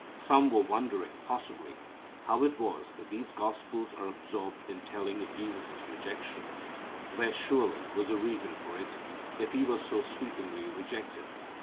Some were wondering, possibly, how it was that these gospels are absorbed in telling of Jesus' rejection. There surely was a reason for it if He was so sweepingly rejected.